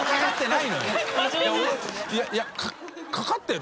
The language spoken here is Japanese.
いやかかってる？